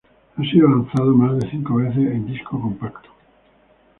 Ha sido lanzado más de cinco veces en disco compacto.